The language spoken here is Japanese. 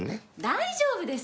大丈夫です！